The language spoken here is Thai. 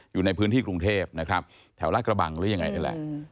อยู่ในพื้นที่กรุงเทพฯแถวราชกระบังหรือยังไง